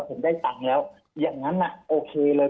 ผมได้ตังค์แล้วอย่างนั้นโอเคเลย